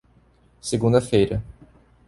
Segunda-feira.